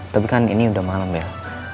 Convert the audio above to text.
tapi kan ini udah malam ya